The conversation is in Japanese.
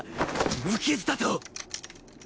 無傷だと！